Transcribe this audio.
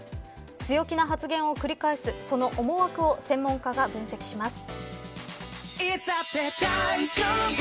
強気な発言を繰り返すその思惑を専門家が分析します。